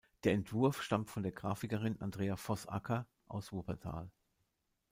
Der Entwurf stammt von der Grafikerin Andrea Voß-Acker aus Wuppertal.